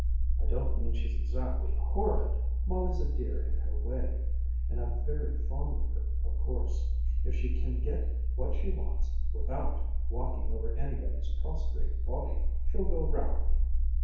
I don't mean she's exactly horrid. Molly's a dear in her way, and I'm very fond of her, of course. If she can get what she wants without walking over anybody's prostrate body, she'll go round.